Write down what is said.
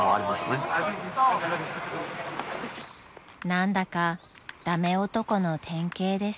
［何だか駄目男の典型です］